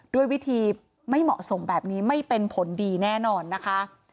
ด้วยวิธีไม่เหมาะสมแบบนี้ไม่เป็นผลดีแน่นอนนะคะ